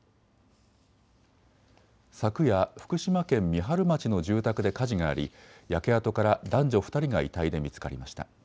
昨夜、福島県三春町の住宅で火事があり焼け跡から男女２人が遺体で見つかりました。